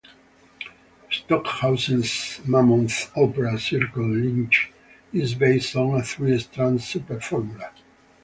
Stockhausen's mammoth opera cycle "Licht" is based on a three-strand "super-formula".